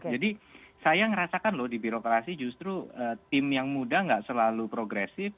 jadi saya ngerasakan loh di birokrasi justru tim yang muda gak selalu progresif